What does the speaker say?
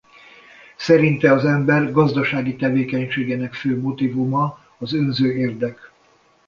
Szerinte az ember gazdasági tevékenységének fő motívuma az önző érdek.